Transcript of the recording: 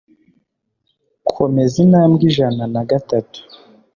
Komeza intambwe ijana na gatatu